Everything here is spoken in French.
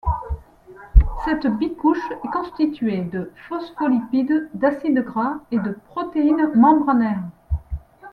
Cette bicouche est constituée de phospholipides, d'acides gras et de protéines membranaires.